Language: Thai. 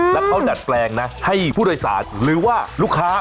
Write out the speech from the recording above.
แล้วเขาดัดแปลงนะให้ผู้โดยสารหรือว่าลูกค้า